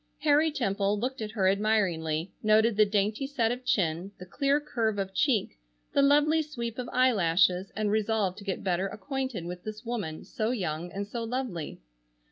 Harry Temple looked at her admiringly, noted the dainty set of chin, the clear curve of cheek, the lovely sweep of eyelashes, and resolved to get better acquainted with this woman, so young and so lovely.